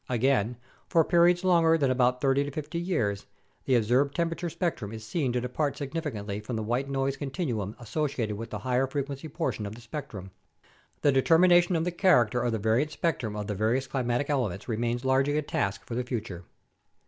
Again, for periods longer than about 30 50 years, the observed temperature spectrum is seen to depart significantly from the white noise continuum associated with the high frequency portion of the spectrum. The determination of the character of the variance spec trum of the various climatic elements remains largely a task for the future.